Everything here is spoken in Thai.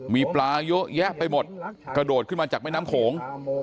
มีปลาเยอะแยะไปหมดกระโดดขึ้นมาจากแม่น้ำโขง